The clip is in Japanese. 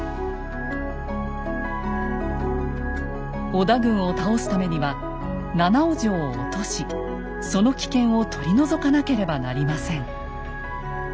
織田軍を倒すためには七尾城を落としその危険を取り除かなければなりません。